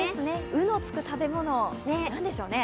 「う」のつく食べ物、何でしょうね。